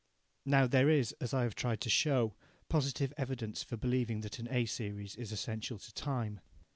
Now there is, as I have tried to show, positive evidence for believing that an A series is essential to time.